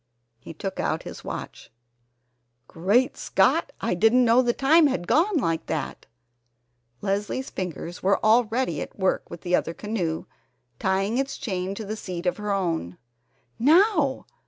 He took out his watch. "Great Scott! I didn't know the time had gone like that!" Leslie's fingers were already at work with the other canoe, tying its chain to the seat of her own. "Now!"